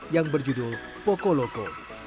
yang berjudul poco loco